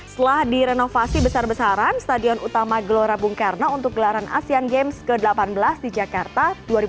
setelah direnovasi besar besaran stadion utama gelora bung karno untuk gelaran asean games ke delapan belas di jakarta dua ribu delapan belas